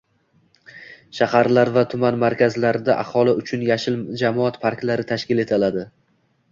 Shaharlar va tuman markazlarida aholi uchun “yashil jamoat parklari” tashkil etiladi.